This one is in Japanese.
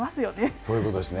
そういうことですね。